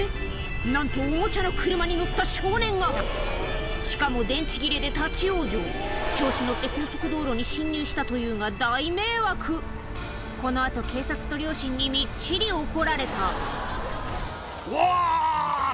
なんとおもちゃの車に乗った少年がしかも電池切れで立ち往生調子に乗って高速道路に進入したというが大迷惑この後警察と両親にみっちり怒られた「うわ！」